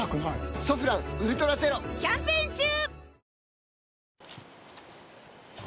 「ソフランウルトラゼロ」キャンペーン中！